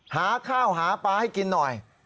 หาข้าวหาปลาให้กินหน่อย